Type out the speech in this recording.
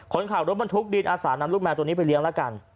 คนขับรถบรรทุกดินอาสานำลูกแมวตัวนี้ไปเลี้ยงแล้วกัน